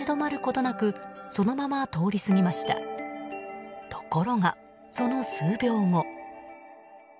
ところが、その数秒後。